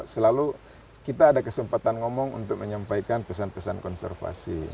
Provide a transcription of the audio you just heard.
selalu kita ada kesempatan ngomong untuk menyampaikan pesan pesan konservasi